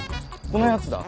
このやつだ？